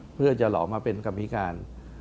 เพื่อจะหลอมมาเป็นกรรมธิการ